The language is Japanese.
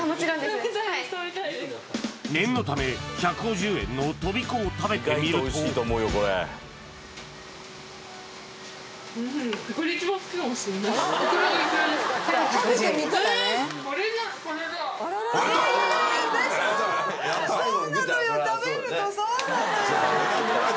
念のため１５０円のとびこを食べてみるとイエーイでしょ？